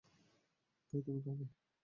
ভাই, তুমি খাবে?